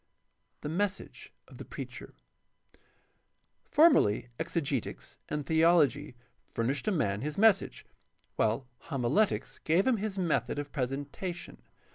The message of the preacher. — Formerly exegetics and theology furnished a man his message, while homiletics gave him his method of presentation.